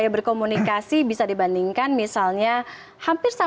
akhirnya mulai mulai mendapatkan kesempatan kita yah